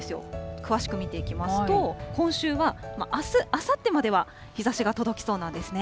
詳しく見ていきますと、今週はあす、あさってまでは日ざしが届きそうなんですね。